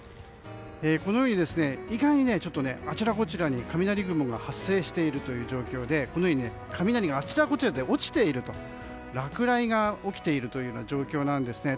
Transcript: このように意外とあちらこちらに雷雲が発生しているという状況で雷があちらこちらで落ちている落雷が起きているというような状況なんですね。